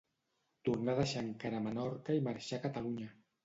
Tornà a deixar encara Menorca i marxà a Catalunya.